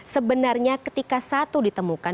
sebenarnya ketika satu ditemukan